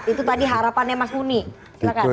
itu tadi harapannya mas muni silahkan